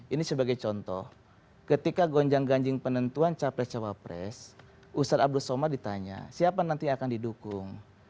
ini sebagai contoh ketika gonjang ganjing penentuan capres cawapres ustaz abdul somad ditanya siapa nanti yang akan didukung